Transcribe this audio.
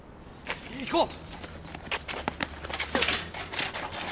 行こう。